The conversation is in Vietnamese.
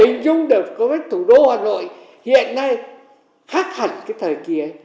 nhưng đối với thủ đô hà nội hiện nay khác hẳn cái thời kia